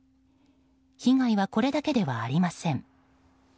被害はこれだけではありません。